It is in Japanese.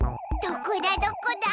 どこだどこだ？